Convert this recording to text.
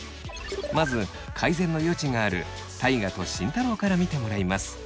まず改善の余地がある大我と慎太郎から見てもらいます。